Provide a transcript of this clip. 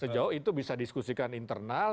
sejauh itu bisa diskusikan internal